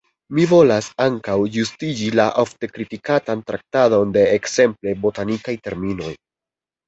Mi volas ankaŭ ĝustigi la ofte kritikatan traktadon de ekzemple botanikaj terminoj.